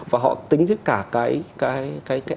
và họ tính với cả